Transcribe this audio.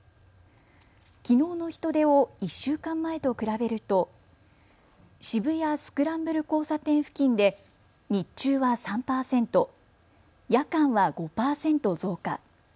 きのうの人出を１週間前と比べると渋谷スクランブル交差点付近で日中は３％、夜間は５％増加。